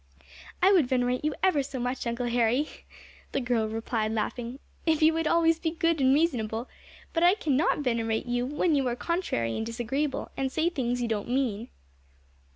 "I would venerate you ever so much, Uncle Harry," the girl replied, laughing, "if you would always be good and reasonable; but I cannot venerate you when you are contrary and disagreeable, and say things you don't mean."